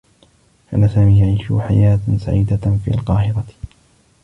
كان سامي يعيش حياة سعيدة في القاهرة.